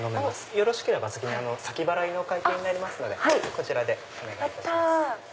よろしければ先払いのお会計になりますのでこちらでお願いいたします。